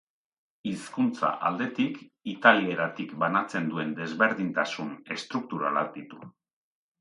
Hizkuntza aldetik, italieratik banatzen duen desberdintasun estrukturalak ditu.